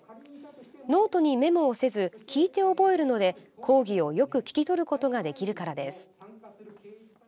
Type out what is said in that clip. ノートにメモをせず聞いて覚えるので講義をよく聞き取ることができるからです。